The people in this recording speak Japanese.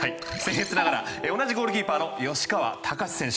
僭越ながら同じゴールキーパーの吉川貴史選手。